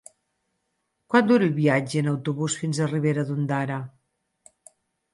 Quant dura el viatge en autobús fins a Ribera d'Ondara?